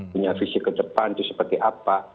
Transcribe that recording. punya visi ke depan itu seperti apa